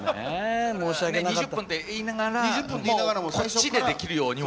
２０分って言いながらこっちでできるようにも。